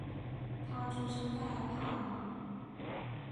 他出生在帕尔马。